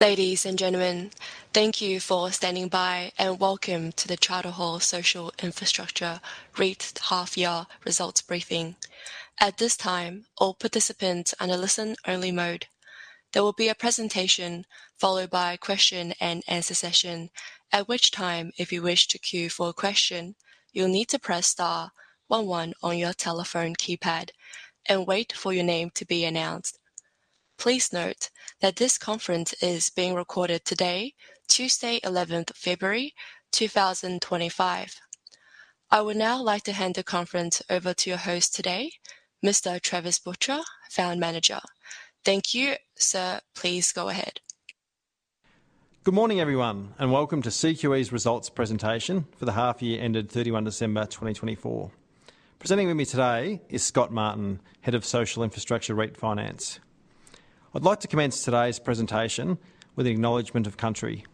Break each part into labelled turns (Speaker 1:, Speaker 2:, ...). Speaker 1: Ladies and gentlemen, thank you for standing by, and welcome to the Charter Hall Social Infrastructure REIT half-year results briefing. At this time, all participants are in listen-only mode. There will be a presentation followed by a question-and-answer session, at which time, if you wish to queue for a question, you'll need to press star 11 on your telephone keypad and wait for your name to be announced. Please note that this conference is being recorded today, Tuesday, 11th February 2025. I would now like to hand the conference over to your host today, Mr. Travis Butcher, Fund Manager. Thank you, sir. Please go ahead.
Speaker 2: Good morning, everyone, and welcome to CQE's results presentation for the half-year ended 31 December 2024. Presenting with me today is Scott Martin, Head of Social Infrastructure REITs Finance. I'd like to commence today's presentation with an Acknowledgement of Country.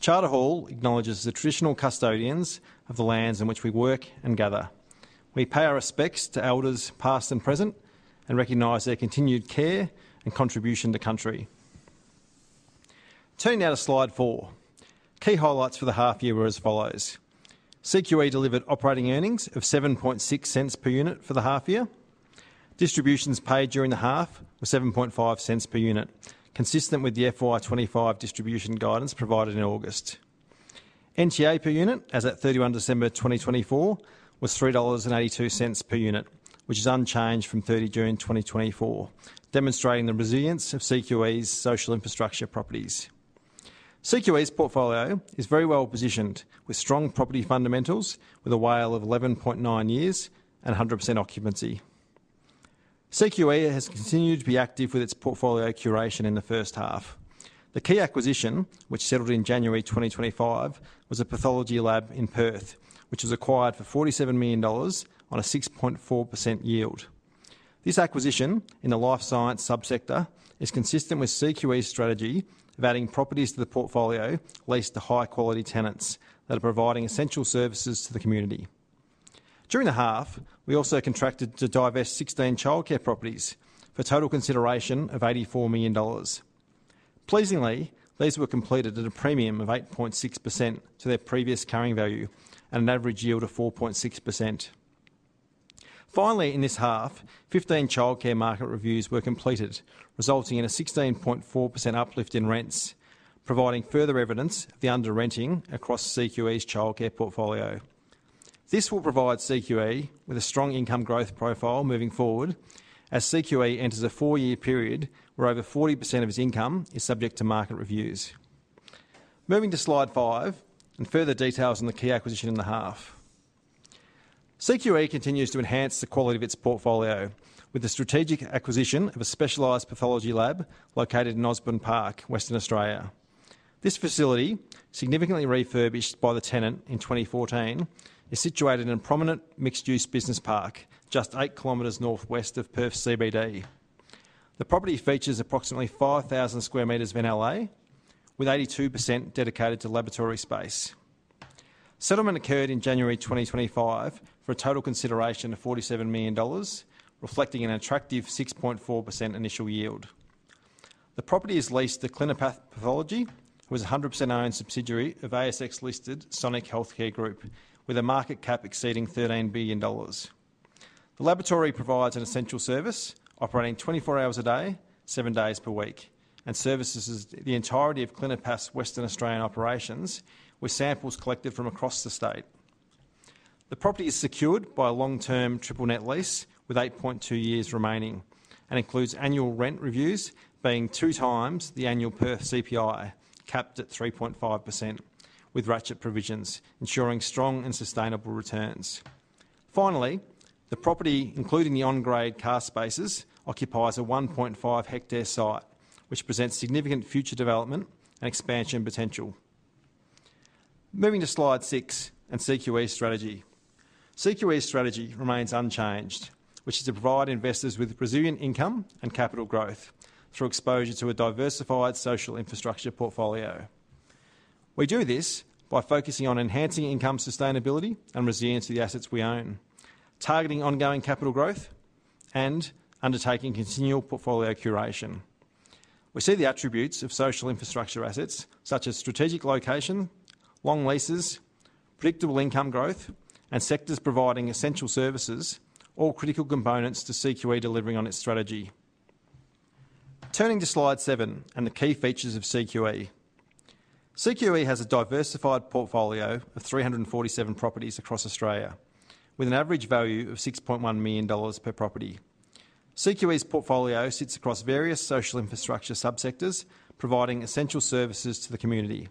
Speaker 2: Charter Hall acknowledges the Traditional Custodians of the lands in which we work and gather. We pay our respects to Elders past and present and recognize their continued care and contribution to Country. Turning now to slide four, key highlights for the half-year were as follows: CQE delivered operating earnings of 0.076 per unit for the half-year. Distributions paid during the half were 0.075 per unit, consistent with the FY25 distribution guidance provided in August. NTA per unit, as at 31 December 2024, was 3.82 dollars per unit, which is unchanged from 30 June 2024, demonstrating the resilience of CQE's social infrastructure properties. CQE's portfolio is very well positioned, with strong property fundamentals, with a WALE of 11.9 years and 100% occupancy. CQE has continued to be active with its portfolio curation in the first half. The key acquisition, which settled in January 2025, was a pathology lab in Perth, which was acquired for 47 million dollars on a 6.4% yield. This acquisition in the life science subsector is consistent with CQE's strategy of adding properties to the portfolio leased to high-quality tenants that are providing essential services to the community. During the half, we also contracted to divest 16 childcare properties for a total consideration of 84 million dollars. Pleasingly, these were completed at a premium of 8.6% to their previous carrying value and an average yield of 4.6%. Finally, in this half, 15 childcare market reviews were completed, resulting in a 16.4% uplift in rents, providing further evidence of the under-renting across CQE's childcare portfolio. This will provide CQE with a strong income growth profile moving forward, as CQE enters a four-year period where over 40% of its income is subject to market reviews. Moving to slide five and further details on the key acquisition in the half. CQE continues to enhance the quality of its portfolio with the strategic acquisition of a specialized pathology lab located in Osborne Park, Western Australia. This facility, significantly refurbished by the tenant in 2014, is situated in a prominent mixed-use business park just eight kilometers northwest of Perth CBD. The property features approximately 5,000 square meters of NLA, with 82% dedicated to laboratory space. Settlement occurred in January 2025 for a total consideration of 47 million dollars, reflecting an attractive 6.4% initial yield. The property is leased to Clinipath Pathology, who is a 100% owned subsidiary of ASX-listed Sonic Healthcare Group, with a market cap exceeding AUD 13 billion. The laboratory provides an essential service, operating 24 hours a day, seven days per week, and services the entirety of Clinipath's Western Australian operations, with samples collected from across the state. The property is secured by a long-term triple net lease with 8.2 years remaining and includes annual rent reviews being two times the annual Perth CPI, capped at 3.5%, with ratchet provisions ensuring strong and sustainable returns. Finally, the property, including the on-grade car spaces, occupies a 1.5 hectare site, which presents significant future development and expansion potential. Moving to slide six and CQE strategy. CQE strategy remains unchanged, which is to provide investors with resilient income and capital growth through exposure to a diversified social infrastructure portfolio. We do this by focusing on enhancing income sustainability and resilience of the assets we own, targeting ongoing capital growth and undertaking continual portfolio curation. We see the attributes of social infrastructure assets, such as strategic location, long leases, predictable income growth, and sectors providing essential services, all critical components to CQE delivering on its strategy. Turning to slide seven and the key features of CQE. CQE has a diversified portfolio of 347 properties across Australia, with an average value of 6.1 million dollars per property. CQE's portfolio sits across various social infrastructure subsectors, providing essential services to the community.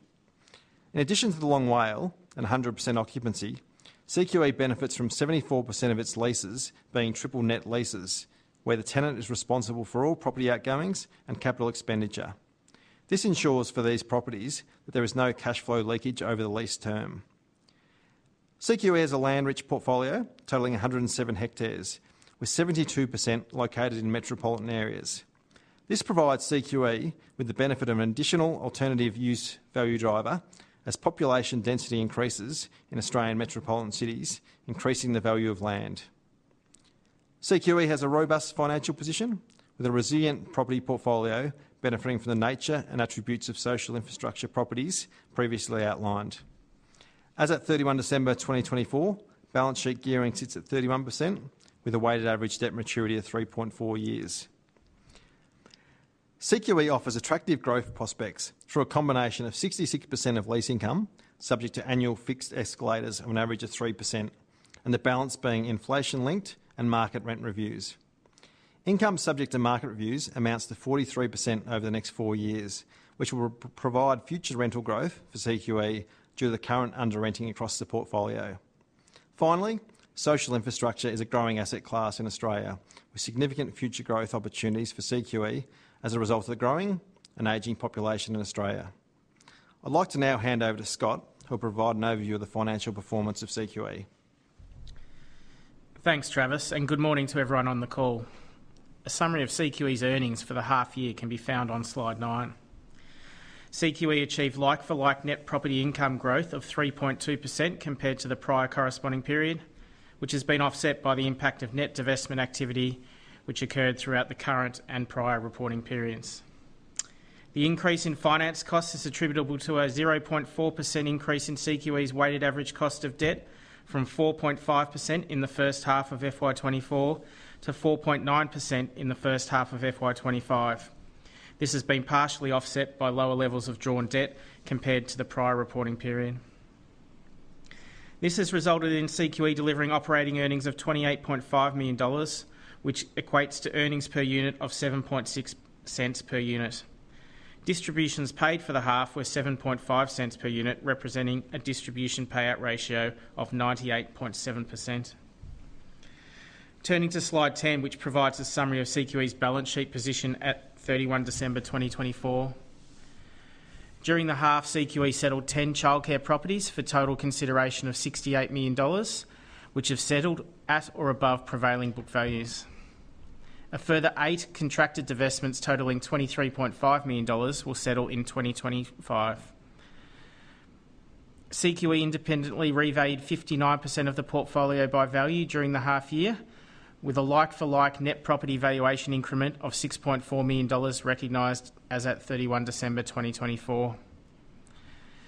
Speaker 2: In addition to the long WALE and 100% occupancy, CQE benefits from 74% of its leases being triple net leases, where the tenant is responsible for all property outgoings and capital expenditure. This ensures for these properties that there is no cash flow leakage over the lease term. CQE has a land-rich portfolio totaling 107 hectares, with 72% located in metropolitan areas. This provides CQE with the benefit of an additional alternative use value driver as population density increases in Australian metropolitan cities, increasing the value of land. CQE has a robust financial position with a resilient property portfolio benefiting from the nature and attributes of social infrastructure properties previously outlined. As at 31 December 2024, balance sheet gearing sits at 31% with a weighted average debt maturity of 3.4 years. CQE offers attractive growth prospects through a combination of 66% of lease income subject to annual fixed escalators of an average of 3%, and the balance being inflation-linked and market rent reviews. Income subject to market reviews amounts to 43% over the next four years, which will provide future rental growth for CQE due to the current under-renting across the portfolio. Finally, social infrastructure is a growing asset class in Australia, with significant future growth opportunities for CQE as a result of the growing and aging population in Australia. I'd like to now hand over to Scott, who will provide an overview of the financial performance of CQE.
Speaker 3: Thanks, Travis, and good morning to everyone on the call. A summary of CQE's earnings for the half-year can be found on slide nine. CQE achieved like-for-like net property income growth of 3.2% compared to the prior corresponding period, which has been offset by the impact of net divestment activity, which occurred throughout the current and prior reporting periods. The increase in finance costs is attributable to a 0.4% increase in CQE's weighted average cost of debt from 4.5% in the first half of FY24 to 4.9% in the first half of FY25. This has been partially offset by lower levels of drawn debt compared to the prior reporting period. This has resulted in CQE delivering operating earnings of AUD 28.5 million, which equates to earnings per unit of 0.076 per unit. Distributions paid for the half were 0.075 per unit, representing a distribution payout ratio of 98.7%. Turning to slide ten, which provides a summary of CQE's balance sheet position at 31 December 2024. During the half, CQE settled 10 childcare properties for a total consideration of 68 million dollars, which have settled at or above prevailing book values. A further eight contracted divestments totaling 23.5 million dollars will settle in 2025. CQE independently revalued 59% of the portfolio by value during the half-year, with a like-for-like net property valuation increment of 6.4 million dollars recognized as at 31 December 2024.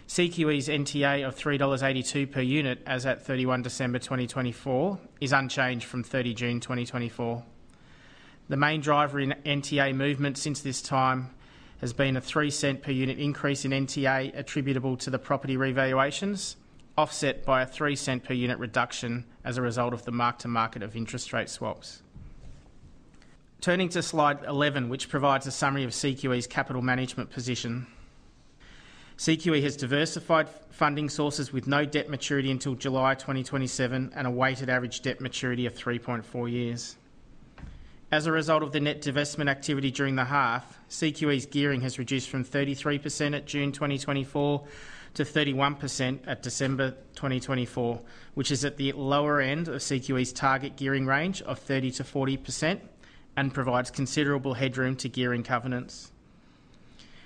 Speaker 3: CQE's NTA of 3.82 dollars per unit as at 31 December 2024 is unchanged from 30 June 2024. The main driver in NTA movement since this time has been a 3 cent per unit increase in NTA attributable to the property revaluations, offset by a 3 cent per unit reduction as a result of the mark-to-market of interest rate swaps. Turning to slide 11, which provides a summary of CQE's capital management position. CQE has diversified funding sources with no debt maturity until July 2027 and a weighted average debt maturity of 3.4 years. As a result of the net divestment activity during the half, CQE's gearing has reduced from 33% at June 2024 to 31% at December 2024, which is at the lower end of CQE's target gearing range of 30%-40% and provides considerable headroom to gearing covenants.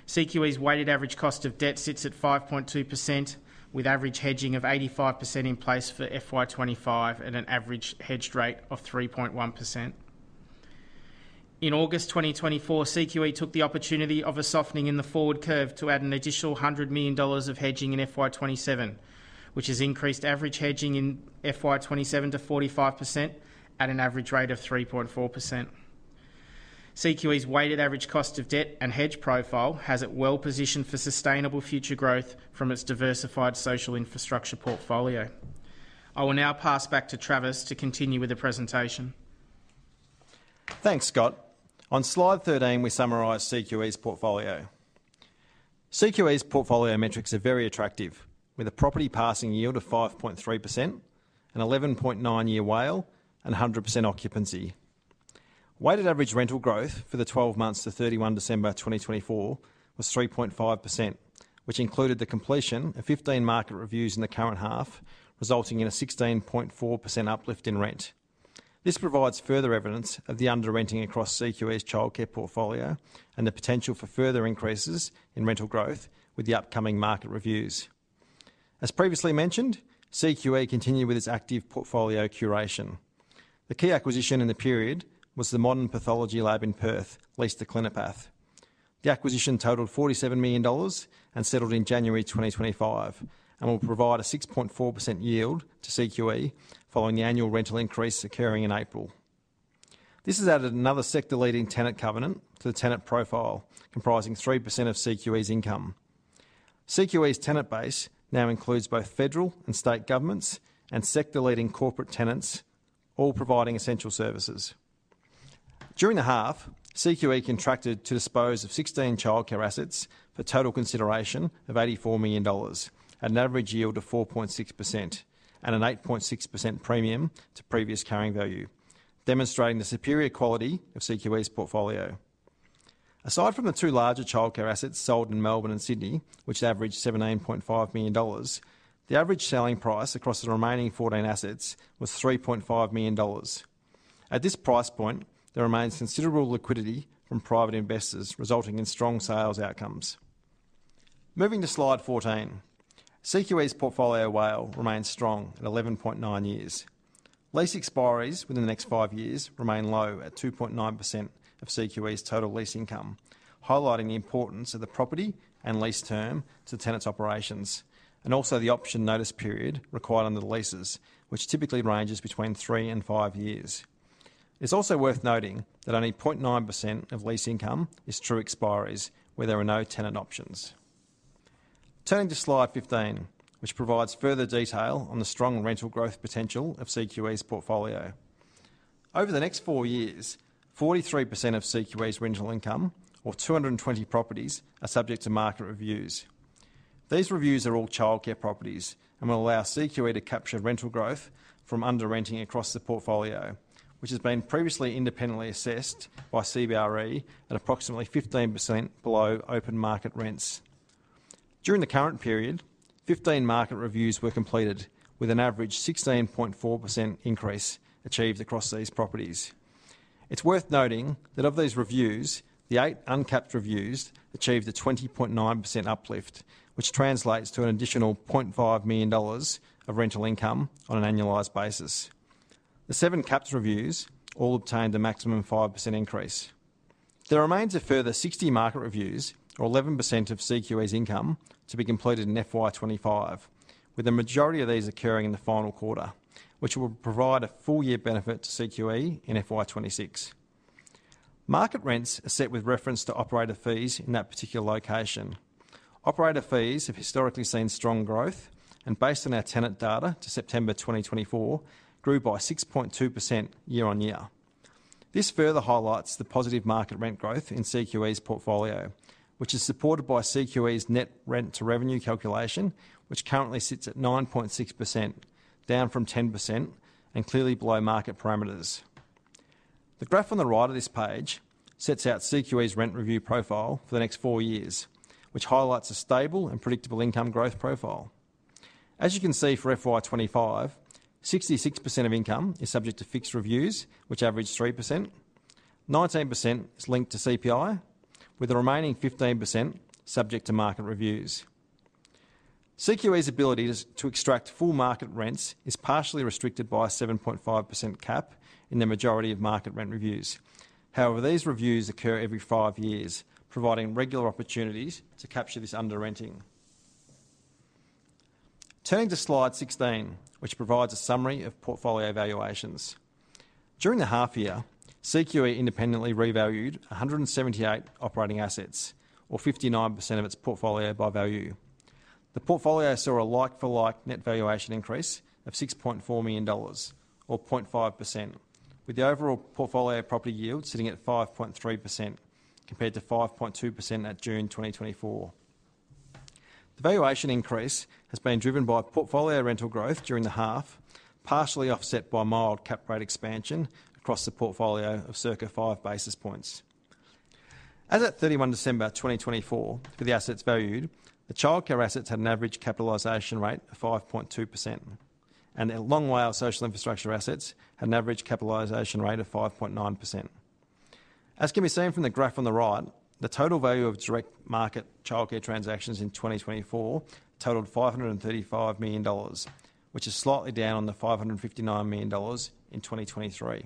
Speaker 3: CQE's weighted average cost of debt sits at 5.2%, with average hedging of 85% in place for FY25 and an average hedged rate of 3.1%. In August 2024, CQE took the opportunity of a softening in the forward curve to add an additional 100 million dollars of hedging in FY27, which has increased average hedging in FY27 to 45% at an average rate of 3.4%. CQE's weighted average cost of debt and hedge profile has it well positioned for sustainable future growth from its diversified social infrastructure portfolio. I will now pass back to Travis to continue with the presentation.
Speaker 2: Thanks, Scott. On slide 13, we summarize CQE's portfolio. CQE's portfolio metrics are very attractive, with a property passing yield of 5.3%, an 11.9-year WALE, and 100% occupancy. Weighted average rental growth for the 12 months to 31 December 2024 was 3.5%, which included the completion of 15 market reviews in the current half, resulting in a 16.4% uplift in rent. This provides further evidence of the under-renting across CQE's childcare portfolio and the potential for further increases in rental growth with the upcoming market reviews. As previously mentioned, CQE continued with its active portfolio curation. The key acquisition in the period was the modern pathology lab in Perth, leased to Clinipath. The acquisition totaled 47 million dollars and settled in January 2025, and will provide a 6.4% yield to CQE following the annual rental increase occurring in April. This has added another sector-leading tenant covenant to the tenant profile, comprising 3% of CQE's income. CQE's tenant base now includes both federal and state governments and sector-leading corporate tenants, all providing essential services. During the half, CQE contracted to dispose of 16 childcare assets for a total consideration of AUD 84 million, an average yield of 4.6%, and an 8.6% premium to previous carrying value, demonstrating the superior quality of CQE's portfolio. Aside from the two larger childcare assets sold in Melbourne and Sydney, which averaged 17.5 million dollars, the average selling price across the remaining 14 assets was 3.5 million dollars. At this price point, there remains considerable liquidity from private investors, resulting in strong sales outcomes. Moving to slide 14, CQE's portfolio WALE remains strong at 11.9 years. Lease expiries within the next five years remain low at 2.9% of CQE's total lease income, highlighting the importance of the property and lease term to tenants' operations, and also the option notice period required under the leases, which typically ranges between three and five years. It's also worth noting that only 0.9% of lease income is true expiries, where there are no tenant options. Turning to slide 15, which provides further detail on the strong rental growth potential of CQE's portfolio. Over the next four years, 43% of CQE's rental income, or 220 properties, are subject to market reviews. These reviews are all childcare properties and will allow CQE to capture rental growth from under-renting across the portfolio, which has been previously independently assessed by CBRE at approximately 15% below open market rents. During the current period, 15 market reviews were completed, with an average 16.4% increase achieved across these properties. It's worth noting that of these reviews, the eight uncapped reviews achieved a 20.9% uplift, which translates to an additional 0.5 million dollars of rental income on an annualized basis. The seven capped reviews all obtained a maximum 5% increase. There remains a further 60 market reviews, or 11% of CQE's income, to be completed in FY25, with the majority of these occurring in the final quarter, which will provide a full-year benefit to CQE in FY26. Market rents are set with reference to operator fees in that particular location. Operator fees have historically seen strong growth and, based on our tenant data to September 2024, grew by 6.2% year on year. This further highlights the positive market rent growth in CQE's portfolio, which is supported by CQE's net rent-to-revenue calculation, which currently sits at 9.6%, down from 10% and clearly below market parameters. The graph on the right of this page sets out CQE's rent review profile for the next four years, which highlights a stable and predictable income growth profile. As you can see for FY25, 66% of income is subject to fixed reviews, which average 3%. 19% is linked to CPI, with the remaining 15% subject to market reviews. CQE's ability to extract full market rents is partially restricted by a 7.5% cap in the majority of market rent reviews. However, these reviews occur every five years, providing regular opportunities to capture this under-renting. Turning to slide 16, which provides a summary of portfolio valuations. During the half-year, CQE independently revalued 178 operating assets, or 59% of its portfolio by value. The portfolio saw a like-for-like net valuation increase of $6.4 million, or 0.5%, with the overall portfolio property yield sitting at 5.3% compared to 5.2% at June 2024. The valuation increase has been driven by portfolio rental growth during the half, partially offset by mild cap rate expansion across the portfolio of circa five basis points. As at 31 December 2024, for the assets valued, the childcare assets had an average capitalization rate of 5.2%, and the long WALE social infrastructure assets had an average capitalization rate of 5.9%. As can be seen from the graph on the right, the total value of direct market childcare transactions in 2024 totaled $535 million, which is slightly down on the $559 million in 2023.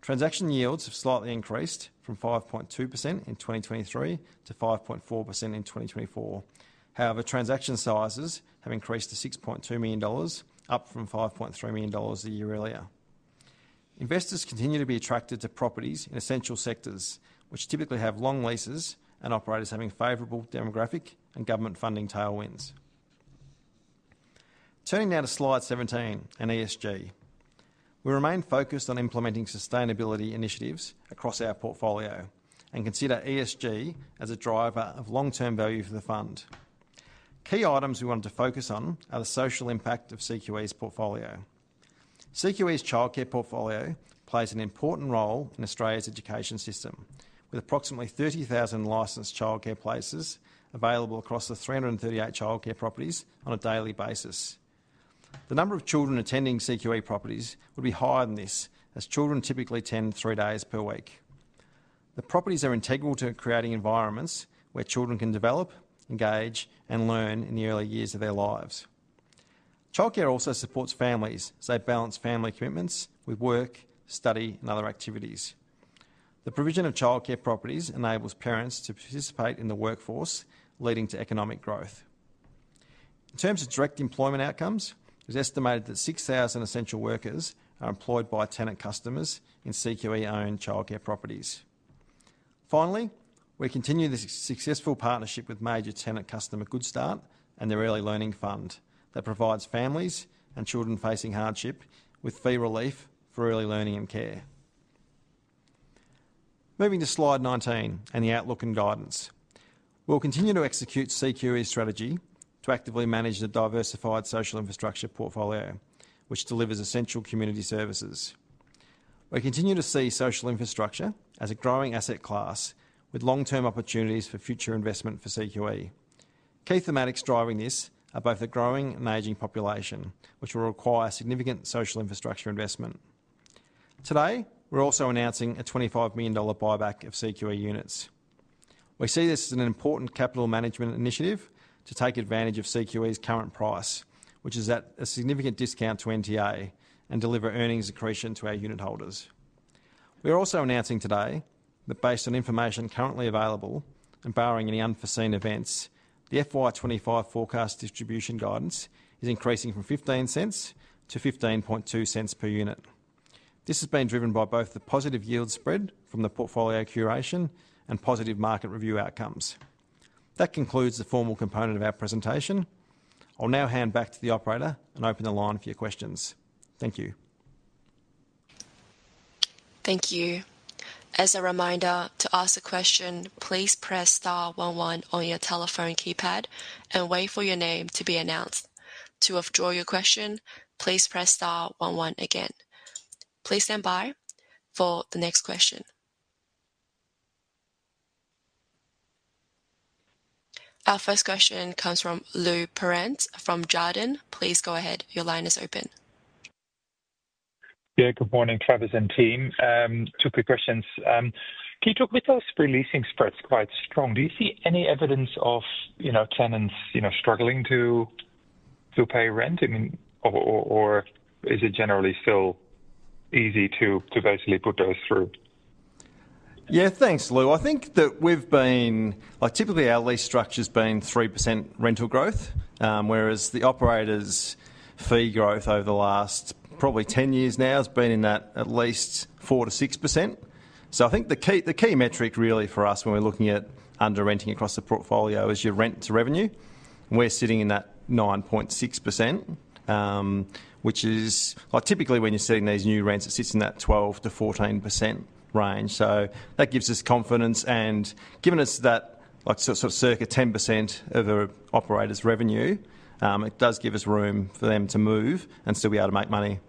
Speaker 2: Transaction yields have slightly increased from 5.2% in 2023 to 5.4% in 2024. However, transaction sizes have increased to 6.2 million dollars, up from 5.3 million dollars the year earlier. Investors continue to be attracted to properties in essential sectors, which typically have long leases and operators having favorable demographic and government funding tailwinds. Turning now to slide 17 and ESG. We remain focused on implementing sustainability initiatives across our portfolio and consider ESG as a driver of long-term value for the fund. Key items we wanted to focus on are the social impact of CQE's portfolio. CQE's childcare portfolio plays an important role in Australia's education system, with approximately 30,000 licensed childcare places available across the 338 childcare properties on a daily basis. The number of children attending CQE properties would be higher than this, as children typically attend three days per week. The properties are integral to creating environments where children can develop, engage, and learn in the early years of their lives. Childcare also supports families as they balance family commitments with work, study, and other activities. The provision of childcare properties enables parents to participate in the workforce, leading to economic growth. In terms of direct employment outcomes, it's estimated that 6,000 essential workers are employed by tenant customers in CQE-owned childcare properties. Finally, we continue this successful partnership with major tenant customer Goodstart and their early Learning fund that provides families and children facing hardship with fee relief for early learning and care. Moving to slide 19 and the outlook and guidance. We'll continue to execute CQE's strategy to actively manage the diversified social infrastructure portfolio, which delivers essential community services. We continue to see social infrastructure as a growing asset class with long-term opportunities for future investment for CQE. Key thematics driving this are both the growing and aging population, which will require significant social infrastructure investment. Today, we're also announcing a 25 million dollar buyback of CQE units. We see this as an important capital management initiative to take advantage of CQE's current price, which is at a significant discount to NTA, and deliver earnings accretion to our unit holders. We are also announcing today that, based on information currently available and barring any unforeseen events, the FY25 forecast distribution guidance is increasing from 0.15 to 0.152 per unit. This has been driven by both the positive yield spread from the portfolio curation and positive market review outcomes. That concludes the formal component of our presentation. I'll now hand back to the operator and open the line for your questions. Thank you.
Speaker 1: Thank you. As a reminder, to ask a question, please press star 11 on your telephone keypad and wait for your name to be announced. To withdraw your question, please press star 11 again. Please stand by for the next question. Our first question comes from Lou Pirenc from Jarden. Please go ahead. Your line is open.
Speaker 4: Yeah, good morning, Travis and team. Two quick questions. Can you talk with us? Leasing spreads quite strong. Do you see any evidence of tenants struggling to pay rent? I mean, or is it generally still easy to basically put those through?
Speaker 2: Yeah, thanks, Lou. I think that we've been, typically our lease structure has been 3% rental growth, whereas the operators' fee growth over the last probably 10 years now has been in that at least 4%-6%. So I think the key metric really for us when we're looking at under-renting across the portfolio is your rent-to-revenue. We're sitting in that 9.6%, which is typically when you're seeing these new rents, it sits in that 12%-14% range. So that gives us confidence and given us that sort of circa 10% of an operator's revenue, it does give us room for them to move and still be able to make money.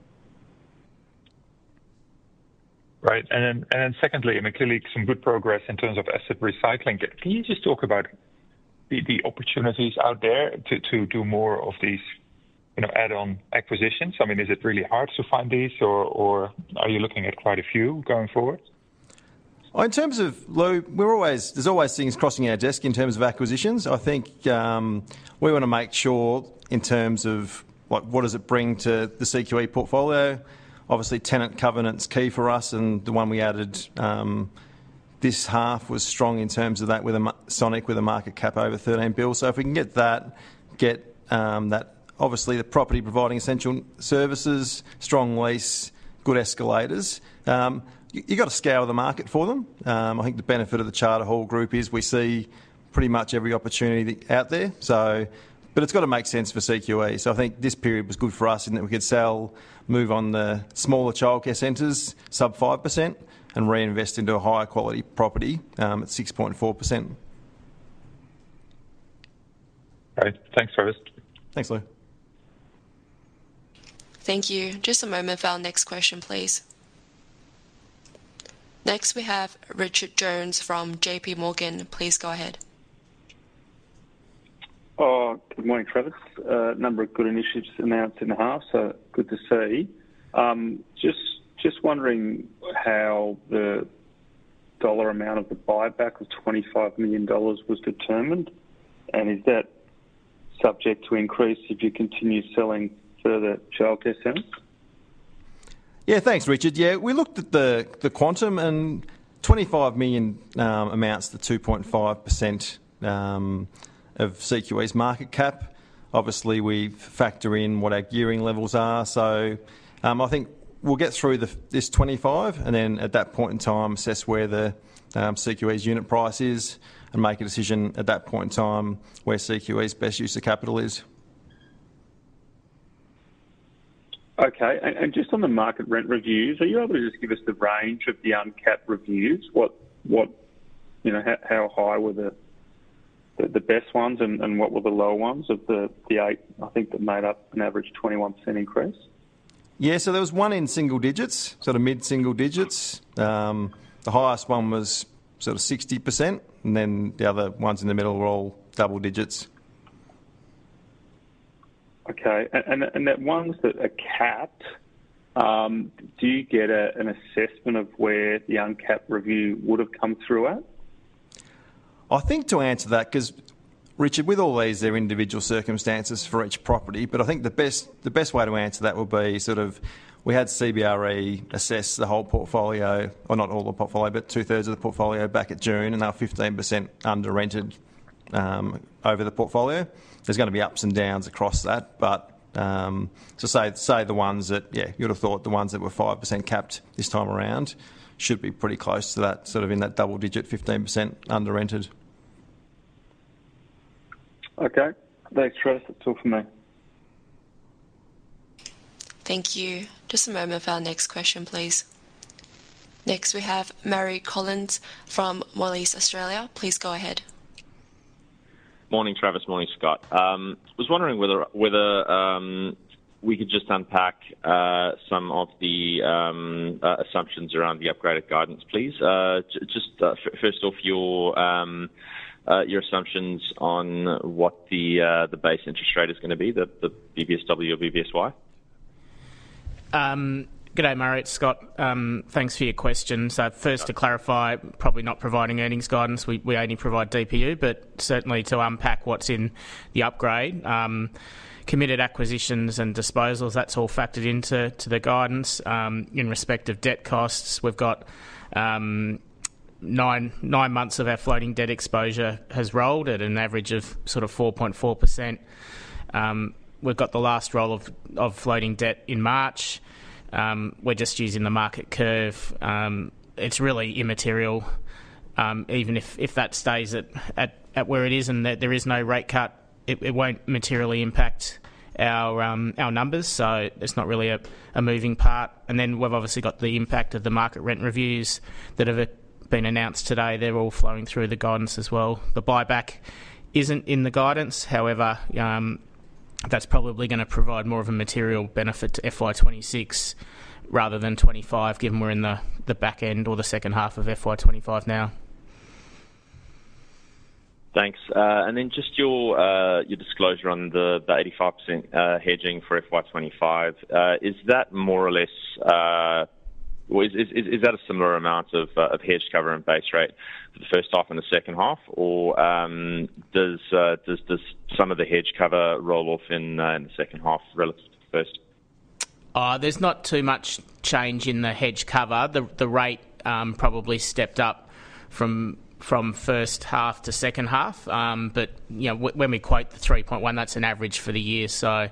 Speaker 4: Right. And then secondly, I mean, clearly some good progress in terms of asset recycling. Can you just talk about the opportunities out there to do more of these add-on acquisitions? I mean, is it really hard to find these, or are you looking at quite a few going forward?
Speaker 2: In terms of, Lou, there's always things crossing our desk in terms of acquisitions. I think we want to make sure in terms of what does it bring to the CQE portfolio. Obviously, tenant covenant's key for us, and the one we added this half was strong in terms of that with a Sonic with a market cap over 13 billion. So if we can get that, get that obviously the property providing essential services, strong lease, good escalators. You've got to scale the market for them. I think the benefit of the Charter Hall Group is we see pretty much every opportunity out there. But it's got to make sense for CQE. So I think this period was good for us in that we could sell, move on the smaller childcare centers sub 5%, and reinvest into a higher quality property at 6.4%.
Speaker 4: Right. Thanks, Travis.
Speaker 2: Thanks, Lou.
Speaker 1: Thank you. Just a moment for our next question, please. Next, we have Richard Jones from JP Morgan. Please go ahead.
Speaker 5: Good morning, Travis. A number of good initiatives announced in the half, so good to see. Just wondering how the dollar amount of the buyback of 25 million dollars was determined, and is that subject to increase if you continue selling further childcare centers?
Speaker 2: Yeah, thanks, Richard. Yeah, we looked at the quantum and 25 million amounts to 2.5% of CQE's market cap. Obviously, we factor in what our gearing levels are. So I think we'll get through this 25, and then at that point in time, assess where the CQE's unit price is and make a decision at that point in time where CQE's best use of capital is.
Speaker 5: Okay. And just on the market rent reviews, are you able to just give us the range of the uncapped reviews? How high were the best ones and what were the low ones of the eight, I think, that made up an average 21% increase?
Speaker 2: Yeah, so there was one in single digits, sort of mid-single digits. The highest one was sort of 60%, and then the other ones in the middle were all double digits.
Speaker 5: Okay. And that one was a capped. Do you get an assessment of where the uncapped review would have come through at?
Speaker 2: I think to answer that, because, Richard, with all these, there are individual circumstances for each property, but I think the best way to answer that would be sort of we had CBRE assess the whole portfolio, or not all the portfolio, but two-thirds of the portfolio back at June, and they were 15% under-rented over the portfolio. There's going to be ups and downs across that, but to say the ones that, yeah, you would have thought the ones that were 5% capped this time around should be pretty close to that, sort of in that double-digit 15% under-rented.
Speaker 5: Okay. Thanks, Travis. That's all from me.
Speaker 1: Thank you. Just a moment for our next question, please. Next, we have Mary Collins from MA Moelis Australia. Please go ahead.
Speaker 6: Morning, Travis. Morning, Scott. I was wondering whether we could just unpack some of the assumptions around the upgraded guidance, please. Just first off, your assumptions on what the base interest rate is going to be, the BBSW or BBSY?
Speaker 3: Good day, Mary. It's Scott. Thanks for your questions. First, to clarify, probably not providing earnings guidance. We only provide DPU, but certainly to unpack what's in the upgrade. Committed acquisitions and disposals, that's all factored into the guidance. In respect of debt costs, we've got nine months of our floating debt exposure has rolled at an average of sort of 4.4%. We've got the last roll of floating debt in March. We're just using the market curve. It's really immaterial. Even if that stays at where it is and there is no rate cut, it won't materially impact our numbers, so it's not really a moving part. And then we've obviously got the impact of the market rent reviews that have been announced today. They're all flowing through the guidance as well. The buyback isn't in the guidance. However, that's probably going to provide more of a material benefit to FY26 rather than 25, given we're in the back end or the second half of FY25 now.
Speaker 6: Thanks. And then just your disclosure on the 85% hedging for FY25, is that more or less, is that a similar amount of hedge cover and base rate for the first half and the second half, or does some of the hedge cover roll off in the second half relative to the first?
Speaker 3: There's not too much change in the hedge cover. The rate probably stepped up from first half to second half, but when we quote the 3.1, that's an average for the year, so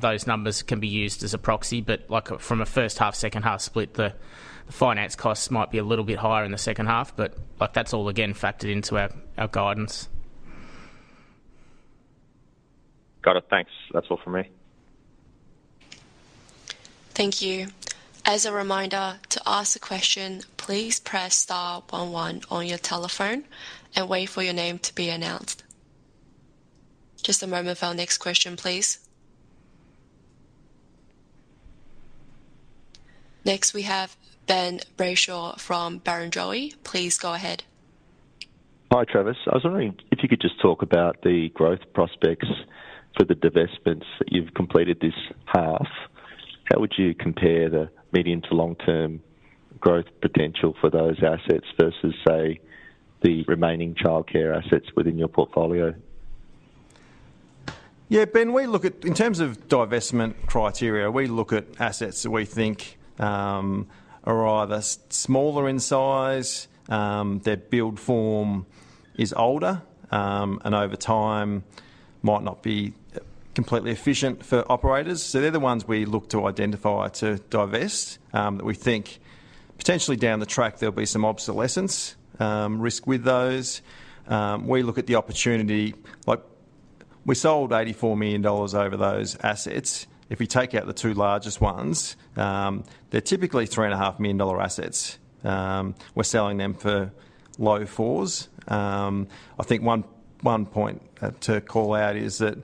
Speaker 3: those numbers can be used as a proxy. But from a first half, second half split, the finance costs might be a little bit higher in the second half, but that's all, again, factored into our guidance.
Speaker 6: Got it. Thanks. That's all from me.
Speaker 1: Thank you. As a reminder, to ask a question, please press star 11 on your telephone and wait for your name to be announced. Just a moment for our next question, please. Next, we have Ben Brayshaw from Barrenjoey. Please go ahead.
Speaker 7: Hi, Travis. I was wondering if you could just talk about the growth prospects for the divestments that you've completed this half. How would you compare the medium to long-term growth potential for those assets versus, say, the remaining childcare assets within your portfolio?
Speaker 2: Yeah, Ben, in terms of divestment criteria, we look at assets that we think are either smaller in size, their build form is older, and over time might not be completely efficient for operators. So they're the ones we look to identify to divest that we think potentially down the track there'll be some obsolescence risk with those. We look at the opportunity. We sold 84 million dollars over those assets. If we take out the two largest ones, they're typically 3.5 million dollar assets. We're selling them for low fours. I think one point to call out is that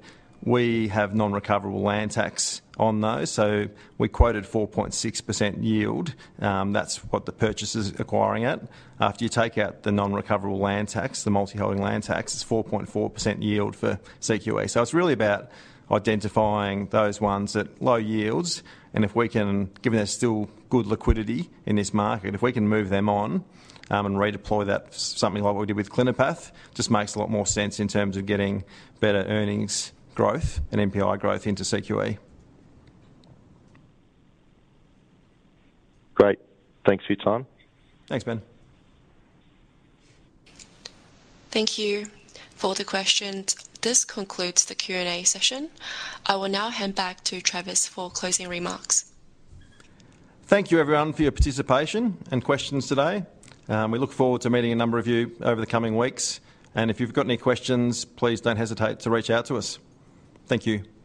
Speaker 2: we have non-recoverable land tax on those. So we quoted 4.6% yield. That's what the purchase is acquiring at. After you take out the non-recoverable land tax, the multi-holding land tax, it's 4.4% yield for CQE. So it's really about identifying those ones at low yields. If we can, given there's still good liquidity in this market, if we can move them on and redeploy that, something like what we did with Clinipath, just makes a lot more sense in terms of getting better earnings growth and NPI growth into CQE.
Speaker 7: Great. Thanks for your time.
Speaker 2: Thanks, Ben.
Speaker 1: Thank you for the questions. This concludes the Q&A session. I will now hand back to Travis for closing remarks.
Speaker 2: Thank you, everyone, for your participation and questions today. We look forward to meeting a number of you over the coming weeks, and if you've got any questions, please don't hesitate to reach out to us. Thank you.